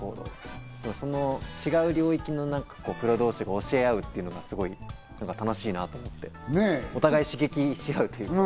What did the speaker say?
違う領域のプロ同士が教え合うっていうのがすごい楽しいなと思って、お互い刺激し合うっていうか。